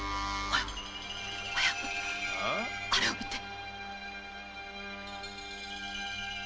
あれを見て。